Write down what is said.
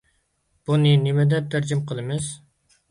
بۇنى نېمە دەپ تەرجىمە قىلىمىز؟